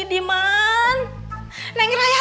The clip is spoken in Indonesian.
kedengeran sampe gak bawa